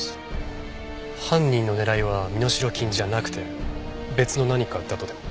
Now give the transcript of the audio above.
犯人の狙いは身代金じゃなくて別の何かだとでも？